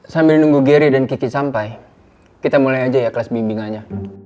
sambil nunggu geri dan kiki sampai kita mulai aja ya kelas bimbingannya